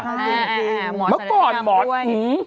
ค่ะหมอสะดัดแขมด้วย